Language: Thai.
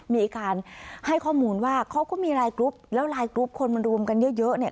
มีการให้ข้อมูลว่าเขาก็มีไลน์กรุ๊ปแล้วไลน์กรุ๊ปคนมันรวมกันเยอะเยอะเนี่ย